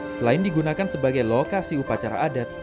selain digunakan sebagai lokasi upacara adat